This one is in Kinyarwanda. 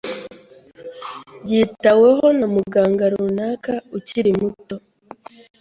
Yitaweho na muganga runaka ukiri muto.